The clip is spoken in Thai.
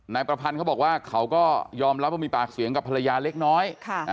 นายประพันธ์เขาบอกว่าเขาก็ยอมรับว่ามีปากเสียงกับภรรยาเล็กน้อย